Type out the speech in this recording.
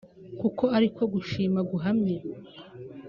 kuko ariko gushima guhamye